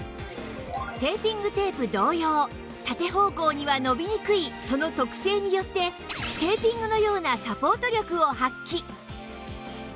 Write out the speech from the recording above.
テーピングテープ同様縦方向には伸びにくいその特性によってテーピングのようなサポート力を発揮